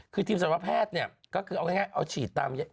คือทีมสำรวจแพทย์ก็คือเอาง่ายใช้ชีดตาม